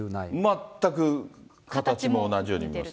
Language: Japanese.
全く形も同じように見える。